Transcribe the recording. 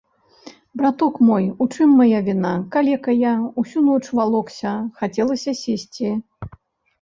Браток мой, у чым мая віна, калека я, усю ноч валокся, хацелася сесці.